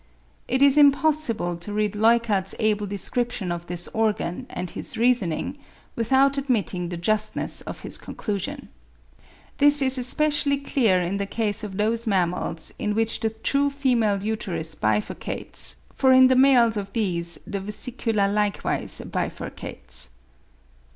It is impossible to read Leuckart's able description of this organ, and his reasoning, without admitting the justness of his conclusion. This is especially clear in the case of those mammals in which the true female uterus bifurcates, for in the males of these the vesicula likewise bifurcates.